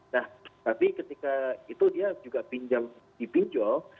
nah tapi ketika itu dia juga pinjam di pinjol